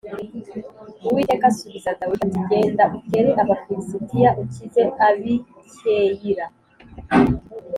Uwiteka asubiza Dawidi ati “Genda utere Abafilisitiya, ukize ab’i Keyila.